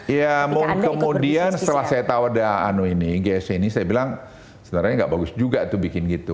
ya kemudian setelah saya tahu ada anu ini gsi ini saya bilang sebenarnya enggak bagus juga itu bikin gitu